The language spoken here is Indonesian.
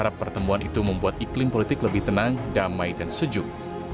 harap pertemuan itu membuat iklim politik lebih tenang damai dan sejuk